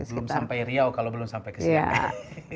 belum sampai riau kalau belum sampai ke sini